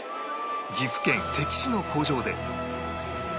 岐阜県関市の工場で